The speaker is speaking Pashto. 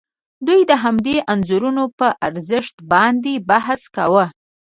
دوی د همدې انځورونو پر ارزښت باندې بحث کاوه.